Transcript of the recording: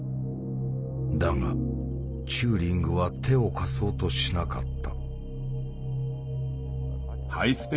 だがチューリングは手を貸そうとしなかった。